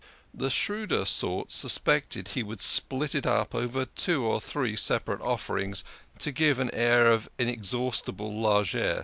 The shrewder sort suspected he would split it up into two or three separate offerings, to give an air of inex haustible largess.